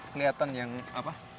kelihatan yang apa